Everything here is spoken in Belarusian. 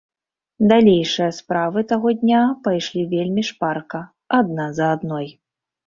Далейшыя справы таго дня пайшлі вельмі шпарка, адна за адной.